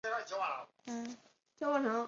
判断这封信是否重要